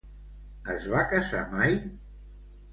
Es va casar mai?